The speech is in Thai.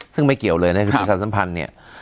ซึ่งไม่เกี่ยวเลยนะครับคือประชาสัมพันธ์เนี่ย